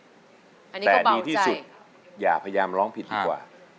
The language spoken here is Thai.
อันนี้ก็เบาใจแต่ดีที่สุดอย่าพยายามร้องผิดดีกว่า